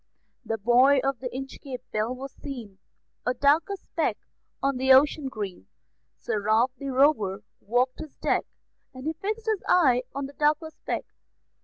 The buoy of the Inchcape Bell was seen, A darker speck on the ocean green; Sir Ralph the Rover walked his deck, And he fixed his eye on the darker speck.